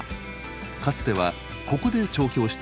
かつてはここで調教していました。